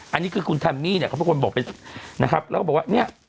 อันนี้คือคุณแทมมี่เขาบอกว่า